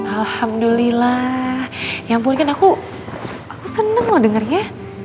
alhamdulillah yang paling kan aku seneng mau dengarnya